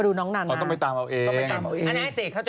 โดนอะไร